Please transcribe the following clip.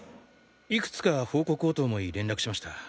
いくつか報告をと思い連絡しました。